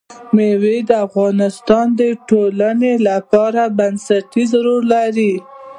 مېوې د افغانستان د ټولنې لپاره بنسټيز رول لري.